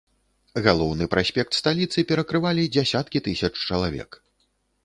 Галоўны праспект сталіцы перакрывалі дзясяткі тысяч чалавек.